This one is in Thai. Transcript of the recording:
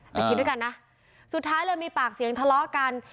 แต่กินด้วยกันนะสุดท้ายเลยมีปากเสียงทะเลาะกัน